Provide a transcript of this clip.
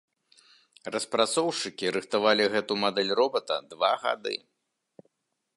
Распрацоўшчыкі рыхтавалі гэту мадэль робата два гады.